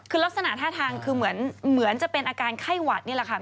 คือลักษณะท่าทางคือเหมือนจะเป็นอาการไข้หวัดนี่แหละค่ะ